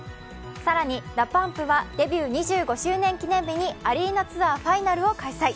更に、ＤＡＰＵＭＰはデビュー２５周年記念日にアリーナツアーファイナルを開催。